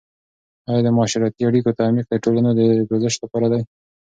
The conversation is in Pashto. آیا د معاشرتي اړیکو تعمیق د ټولنو د پوزش لپاره دی؟